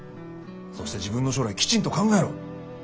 そして自分の将来きちんと考えろ。